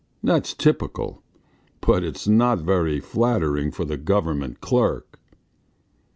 ... That's typical, but it's not very flattering for the government clerk."